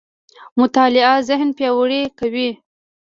مطالعه ذهن پياوړی کوي.